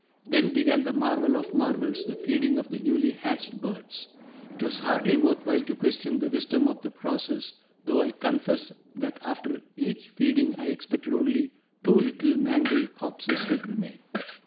Then began that marvel of marvels, the feeding of the newly hatched birds. It was hardly worth while to question the wisdom of the process, though I confess that after each feeding I expected only two little mangled corpses would remain!